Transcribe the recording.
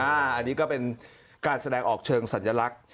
อันนี้ก็เป็นการแสดงออกเชิงสัญลักษณ์